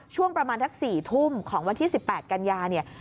ช่วงประมาณทัก๔ทุ่มของวันที่๑๘กันยาเนี่ย